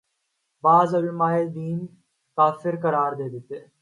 بعض علماے دین کافر قرار دیتے